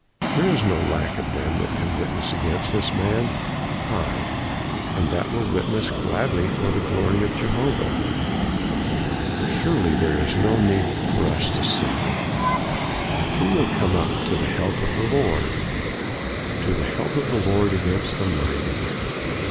There is no lack of them that can witness against this man. Ay! and that will witness right gladly for the glory of Jehovah. Surely there is no need for us to say, 'Who will come up to the help of the Lord? to the help of the Lord against the mighty?